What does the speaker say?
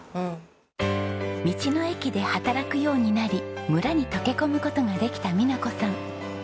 道の駅で働くようになり村に溶け込む事ができた美奈子さん。